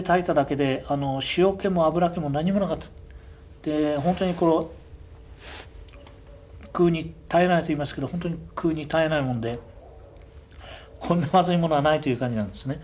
で本当に食うに堪えないと言いますけど本当に食うに堪えないもんでこんなまずいものはないという感じなんですね。